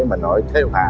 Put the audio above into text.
mình hỏi theo hả